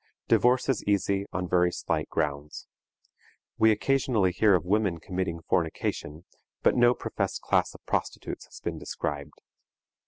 Divorce is easy on very slight grounds. We occasionally hear of women committing fornication, but no professed class of prostitutes has been described.